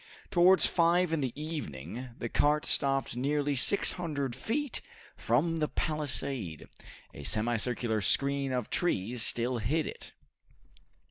Towards five in the evening the cart stopped nearly 600 feet from the palisade. A semicircular screen of trees still hid it.